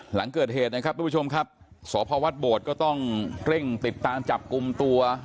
หลังเกิดเหตุนะครับทุกผู้ชมครับสพวัดโบดก็ต้องเร่งติดตามจับกลุ่มตัว